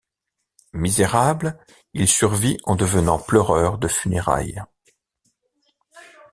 Misérable, il survit en devenant pleureur de funérailles.